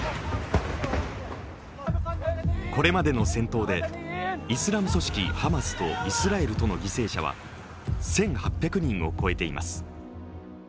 これまでの戦闘でイスラム組織ハマスとイスラエルとの犠牲者は１８００人を超えています。